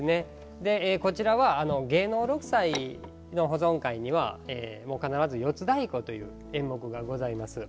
こちらは芸能六斎では必ず「四つ太鼓」という演目がございます。